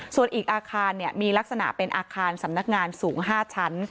ส่วนอีกอาคารมีลักษณะเป็นอาคารสำนักงานสูง๕ชั้น